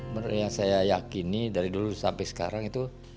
menurut yang saya yakini dari dulu sampai sekarang itu